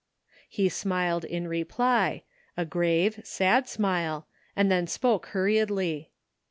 He smiled in reply, a grave, sad smile, and then spoke hurriedly.